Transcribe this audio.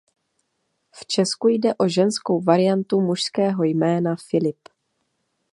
V Česku jde o ženskou variantu mužského jména Filip.